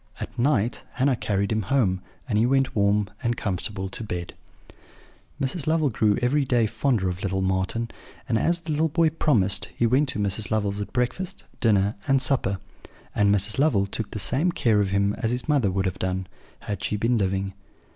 At night Hannah carried him home, and he went warm and comfortable to bed. "Mrs. Lovel grew every day fonder of little Marten; and, as the little boy promised, he went to Mrs. Lovel's at breakfast, dinner, and supper; and Mrs. Lovel took the same care of him as his mother would have done, had she been living.